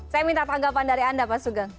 saya minta tanggapan dari anda pak sugeng